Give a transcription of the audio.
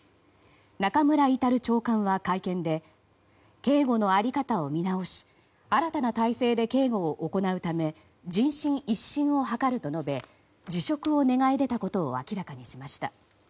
中村格長官は会見で警護の在り方を見直し新たな体制で警護を行うため人心一新を図ると述べ辞職を願い出たことを明らかにしました。